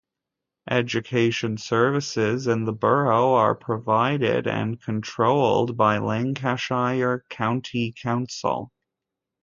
Education Services in the borough are provided and controlled by Lancashire County Council.